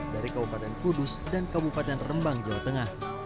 dari kabupaten kudus dan kabupaten rembang jawa tengah